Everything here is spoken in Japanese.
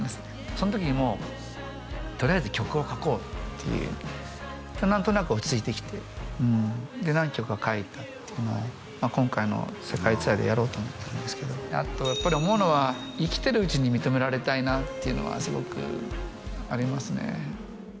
その時にもうとりあえず曲を書こうっていう何となく落ち着いてきてうんで何曲か書いたっていうのを今回の世界ツアーでやろうと思ってるんですけどあとやっぱり思うのは生きてるうちに認められたいなっていうのはすごくありますね